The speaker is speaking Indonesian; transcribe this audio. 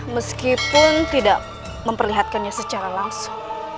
meskipun tidak memperlihatkannya secara langsung